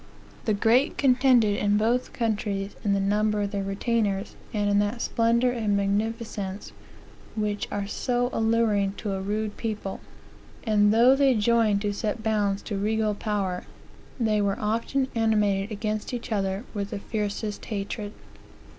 The great contended in both countries in the number of their retainers, and in that splendor and magnificence which are so alluring to a rude people; and though they joined to set bounds to regal power, they were often animated against each other with the fiercest hatred.